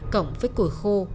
cổng với củi khô